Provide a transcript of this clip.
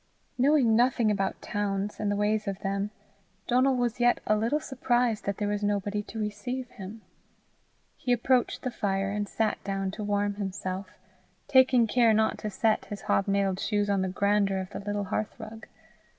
Knowing nothing about towns and the ways of them, Donal was yet a little surprised that there was nobody to receive him. He approached the fire, and sat down to warm himself, taking care not to set his hobnailed shoes on the grandeur of the little hearthrug.